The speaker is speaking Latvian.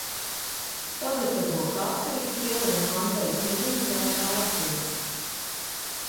Pagatavo kafiju, pielej mandeļu pienu, lai tā atdziest.